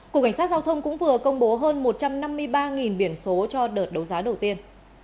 cục cảnh sát giao thông cũng vừa công bố hơn một trăm năm mươi ba biển số cho đợt đấu giá đầu tiên